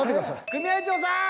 組合長さん。